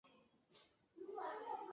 事后没有组织立即宣称对事件负责。